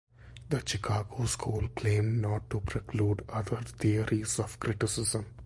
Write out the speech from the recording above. The Chicago School claimed not to preclude other theories of criticism.